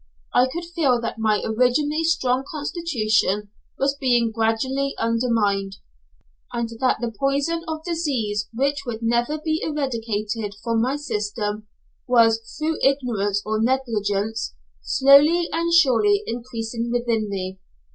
I could feel that my originally strong constitution was being gradually undermined, and that the poison of disease which would never be eradicated from my system was, through ignorance or negligence, slowly and surely increasing within me.